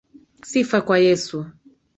Sifa kwa Yesu.